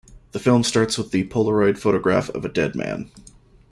The film starts with the Polaroid photograph of a dead man.